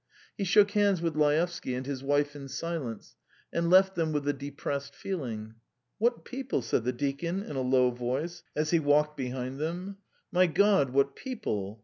He shook hands with Laevsky and his wife in silence, and left them with a depressed feeling. "What people!" said the deacon in a low voice, as he walked behind them. "My God, what people!